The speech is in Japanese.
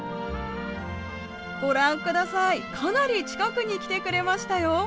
ご覧ください、かなり近くに来てくれましたよ。